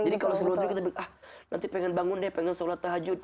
jadi kalau sebelum tidur kita bilang ah nanti pengen bangun deh pengen salat tahajud